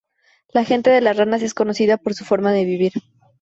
La gente de Las Ranas es conocida por su forma de vivir.